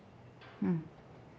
うん。